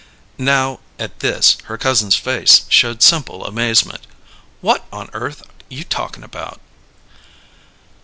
Now, at this, her cousin's face showed simple amazement. "What on earth you talkin' about?"